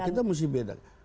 kita mesti beda